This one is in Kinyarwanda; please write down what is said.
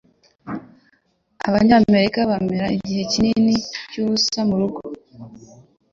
Abanyamerika bamara igihe kinini cyubusa murugo.